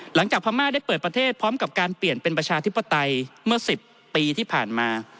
พม่าได้เปิดประเทศพร้อมกับการเปลี่ยนเป็นประชาธิปไตยเมื่อ๑๐ปีที่ผ่านมา